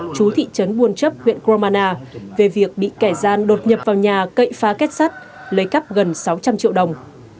chú thị trấn buôn chấp huyện kromana về việc bị kẻ gian đột nhập vào nhà cậy phá kết sắt lấy cắp gần sáu trăm linh triệu đồng